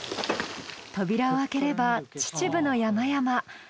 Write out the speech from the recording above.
扉を開ければ秩父の山々。